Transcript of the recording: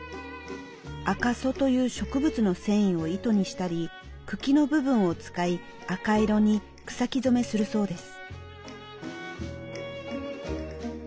アカソという植物の繊維を糸にしたり茎の部分を使い赤色に草木染めするそうです。